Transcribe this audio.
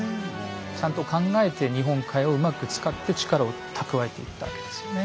ちゃんと考えて日本海をうまく使って力を蓄えていったわけですよね。